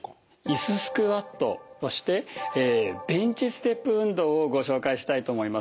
いすスクワットそしてベンチステップ運動をご紹介したいと思います。